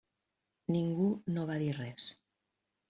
Ningú no va dir res.